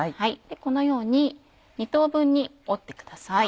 このように２等分に折ってください。